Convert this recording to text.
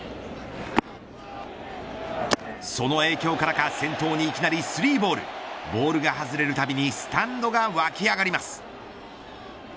その影響からか先頭にいきなり３ボールボールが外れるたびにスタンドがわき上がります。